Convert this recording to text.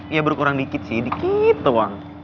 ya berkurang dikit sih dikit doang